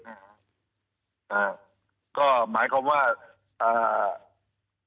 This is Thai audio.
อ่าอ่าก็หมายความว่าอ่า